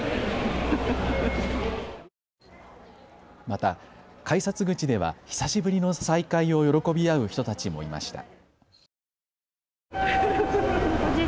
また改札口では久しぶりの再会を喜び合う人たちもいました。